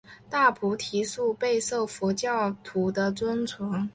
大菩提树备受佛教徒的尊崇。